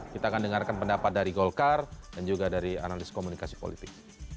kita akan dengarkan pendapat dari golkar dan juga dari analis komunikasi politik